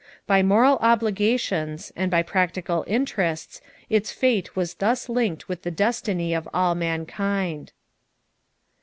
By moral obligations and by practical interests its fate was thus linked with the destiny of all mankind.